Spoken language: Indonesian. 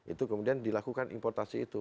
itu kemudian dilakukan importasi itu